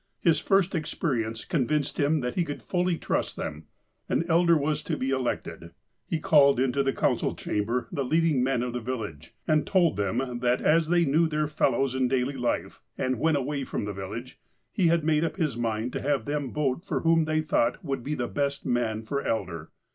His first experience convinced him that he could fully trust them. An elder was to be elected. He called into the council chamber the leading men of the village, and told them that as they knew their fel lows in daily life, and when away from the village, he had made up his mind to have them vote for whom they thought would be the best man for elder.